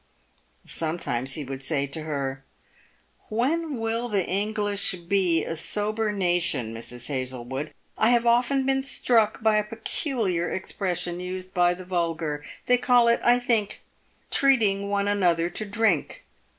Sometimes he would say to her, " When will the English be a sober nation, Mrs. Hazlewood ? I have often been struck by a pecu liar expression used by the vulgar ; they call it — I think —' treating one another to drink.'